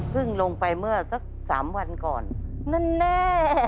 เพิ่งลงไปเมื่อสัก๓วันก่อนนั่นแน่